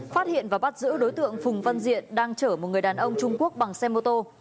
phát hiện và bắt giữ đối tượng phùng văn diện đang chở một người đàn ông trung quốc bằng xe mô tô